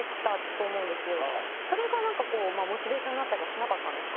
それがなんかモチベーションになったりはしなかったんですか？